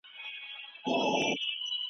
ټولنیز نهاد د خلکو د اړیکو د تنظیم بنسټ دی.